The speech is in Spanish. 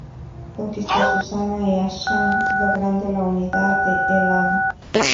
Conquistó Susa y Anshan, logrando la unidad de Elam.